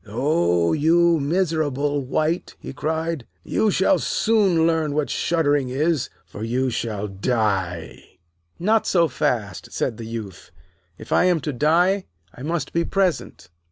'Oh, you miserable wight!' he cried. 'You shall soon learn what shuddering is, for you shall die.' 'Not so fast,' said the Youth. 'If I am to die, I must be present.'